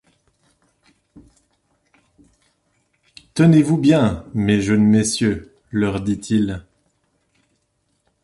Tenez-vous bien, mes jeunes messieurs, leur dit-il.